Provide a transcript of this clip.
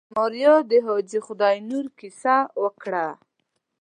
ماريا د حاجي خداينور کيسه وکړه.